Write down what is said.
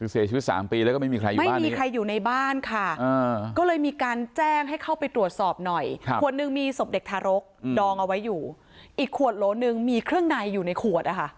เสียชีวิต๓ปีแล้วก็ไม่มีใครอยู่ไม่มีใครอยู่ในบ้านค่ะก็เลยมีการแจ้งให้เข้าไปตรวจสอบหน่อยขวดหนึ่งมีศพเด็กทารกดองเอาไว้อยู่อีกขวดโหลหนึ่งมีเครื่องในอยู่ในขวดนะคะ